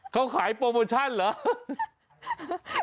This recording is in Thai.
เขาขายโปรโมชั่นเหรอ